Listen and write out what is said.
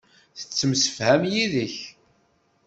Tettemsefham yid-k.